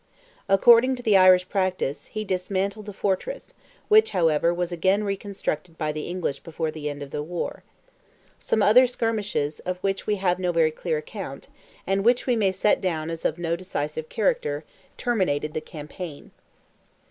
According to the Irish practice, he dismantled the fortress, which, however, was again reconstructed by the English before the end of the war. Some other skirmishes, of which we have no very clear account, and which we may set down as of no decisive character, terminated the campaign.